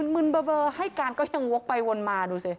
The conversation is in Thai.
มึนเบอร์ให้การก็ยังวกไปวนมาดูสิ